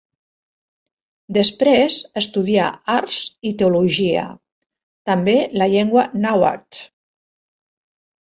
Després estudià arts i teologia, també la llengua nàhuatl.